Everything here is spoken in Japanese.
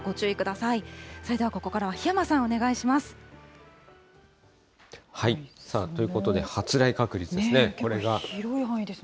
それではここからは檜山さんお願ということで、発雷確率です